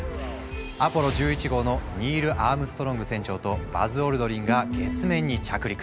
アポロ１１号のニール・アームストロング船長とバズ・オルドリンが月面に着陸。